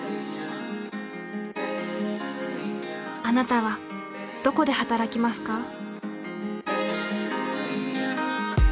あなたはどこで働きますか？